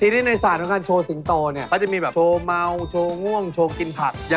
นี่มาฝรั่งภาษาจะได้ฝรั่งภาษา